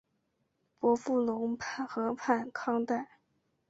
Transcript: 伯夫龙河畔康代。